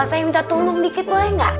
saya minta tolong dikit boleh nggak